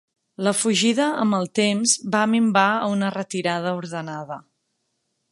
La fugida amb el temps va minvar a una retirada ordenada.